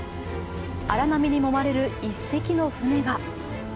荒波にもまれる１隻の船が。